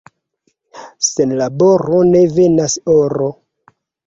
Sen laboro ne venas oro.